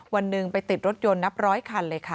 วันหนึ่งไปติดรถยนต์นับร้อยคันเลยค่ะ